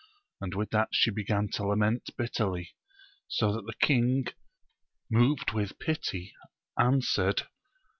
And with that she began to lament bitterly, so that the king, moved with pity, answered.